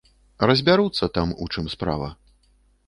Разбяруцца там, у чым справа.